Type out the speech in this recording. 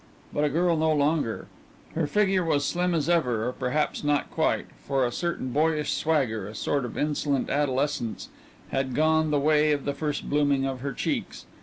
But a girl no longer. Her figure was slim as ever or perhaps not quite, for a certain boyish swagger, a sort of insolent adolescence, had gone the way of the first blooming of her cheeks.